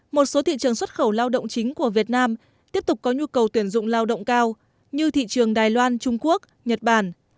một số thị trường xuất khẩu lao động chính của việt nam tiếp tục có nhu cầu tuyển dụng lao động cao như thị trường đài loan trung quốc nhật bản